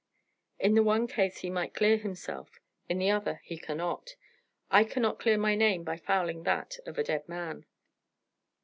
In the one case he might clear himself; in the other he cannot. I cannot clear my name by fouling that of a dead man."